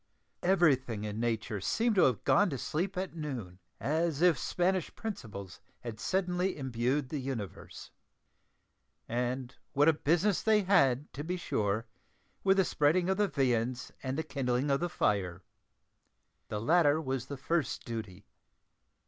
Everything in nature seemed to have gone to sleep at noon, as if Spanish principles had suddenly imbued the universe. And what a business they had, to be sure, with the spreading of the viands and the kindling of the fire! The latter was the first duty.